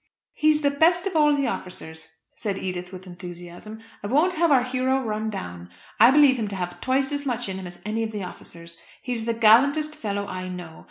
"He's the best of all the officers," said Edith with enthusiasm. "I won't have our hero run down. I believe him to have twice as much in him as any of the officers. He's the gallantest fellow I know.